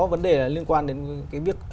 vấn đề liên quan đến cái việc